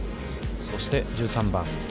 そして、１３番。